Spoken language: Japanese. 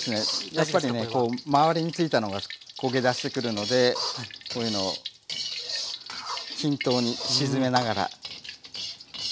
やっぱりね周りについたのが焦げだしてくるのでこういうのを均等に沈めながら。